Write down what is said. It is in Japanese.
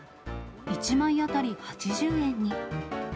１枚当たり８０円に。